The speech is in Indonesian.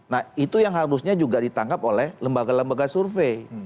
nah itu yang harusnya juga ditangkap oleh lembaga lembaga survei